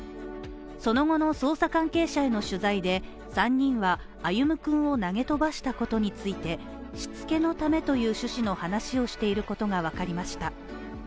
その後の捜査関係者への取材で３人は歩夢君を投げ飛ばしたことについてしつけのためという趣旨の話をしていることが分かりました。